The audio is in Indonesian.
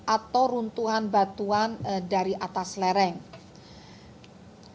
atau runtuhan batuan dari atas lereng lereng batuan